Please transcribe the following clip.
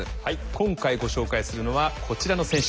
今回ご紹介するのはこちらの選手。